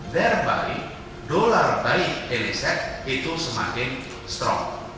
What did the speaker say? dolar baik dolar baik ilisat itu semakin strong